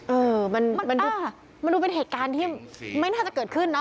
เออมันดูเป็นเหตุการณ์ที่ไม่น่าจะเกิดขึ้น